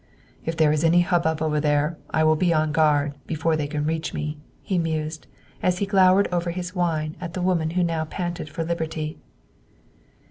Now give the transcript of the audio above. "If there is any hubbub over there, I will be on guard, before they can reach me," he mused, as he glowered over his wine at the woman who now panted for liberty.